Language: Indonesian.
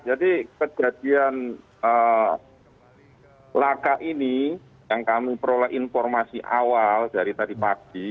jadi kejadian laka ini yang kami peroleh informasi awal dari tadi pagi